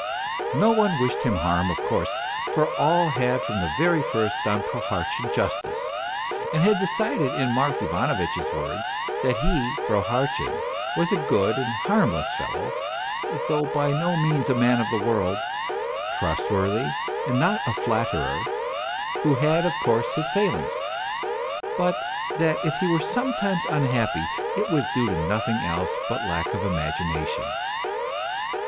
No one wished him harm, of course, for all had from the very first done Prohartchin justice, and had decided in Mark Ivanovitch's words that he, Prohartchin, was a good and harmless fellow, though by no means a man of the world, trustworthy, and not a flatterer, who had, of course, his failings; but that if he were sometimes unhappy it was due to nothing else but lack of imagina tion.